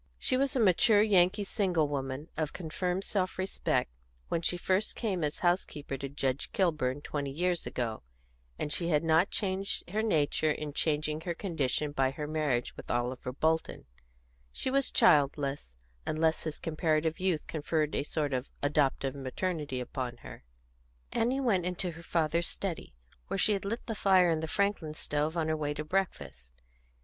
She was a mature Yankee single woman, of confirmed self respect, when she first came as house keeper to Judge Kilburn, twenty years ago, and she had not changed her nature in changing her condition by her marriage with Oliver Bolton; she was childless, unless his comparative youth conferred a sort of adoptive maternity upon her. Annie went into her father's study, where she had lit the fire in the Franklin stove on her way to breakfast.